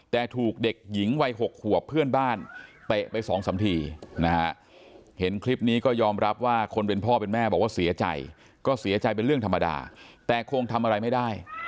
แต่ถูกเด็กหญิงวัย๖ขวบเพื่อนบ้านเปะไปสองสามทีนะฮะ